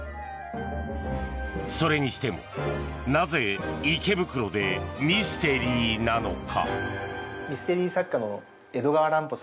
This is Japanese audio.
それにしてもなぜ池袋でミステリーなのか。